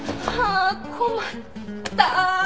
あ困った